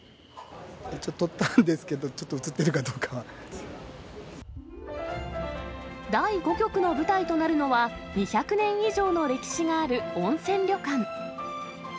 一応撮ったんですけど、第５局の舞台となるのは、２００年以上の歴史がある温泉旅館。